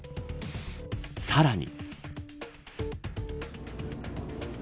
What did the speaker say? さらに。